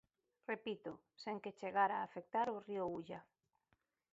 Repito, sen que chegara a afectar ao río Ulla.